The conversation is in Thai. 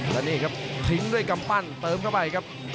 และนี่ครับทิ้งด้วยกำปั้นเติมเข้าไปครับ